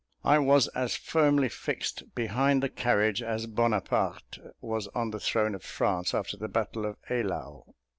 I was as firmly fixed behind the carriage, as Bonaparte was on the throne of France after the battle of Eylau.